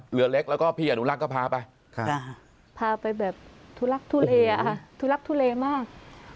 เรือเล็กแล้วก็พี่หนุนรักก็พาไปพาไปแบบทุลักษณ์ทุเลมาก